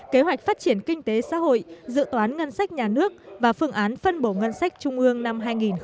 kế hoạch phát triển kinh tế xã hội dự toán ngân sách nhà nước và phương án phân bổ ngân sách trung ương năm hai nghìn hai mươi